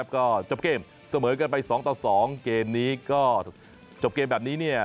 ก็จบเกมเสมอกันไป๒ต่อ๒เกมนี้ก็จบเกมแบบนี้เนี่ย